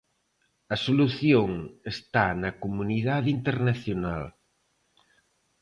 A solución está na comunidade internacional.